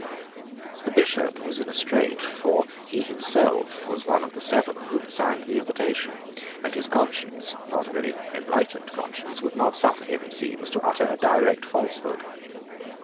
The Bishop was in a strait; for he was himself one of the seven who had signed the invitation; and his conscience, not a very enlightened conscience, would not suffer him, it seems, to utter a direct falsehood.